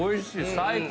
最高！